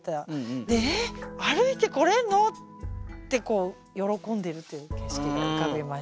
で「え！歩いて来れるの？」って喜んでいるという景色が浮かびました。